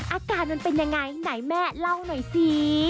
อาการมันเป็นยังไงไหนแม่เล่าหน่อยสิ